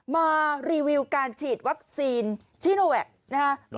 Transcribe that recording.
มารีวิวการฉีดวัคซีนชิโนแวคนะคะ